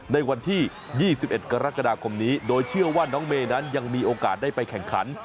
ในวันที่๒๑กรกฎาคมนี้โดยเชื่อว่าน้องเมย์นั้นยังมีโอกาสได้ไปแข่งขัน